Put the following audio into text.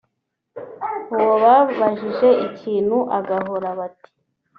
uwo babajije ikintu agahora bati